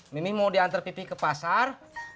mimi mau diantar pipi ke pasar